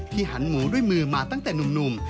หันหมูด้วยมือมาตั้งแต่หนุ่ม